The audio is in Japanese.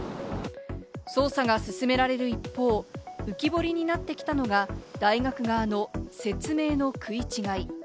捜査が進められる一方、浮き彫りになってきたのが、大学側の説明の食い違い。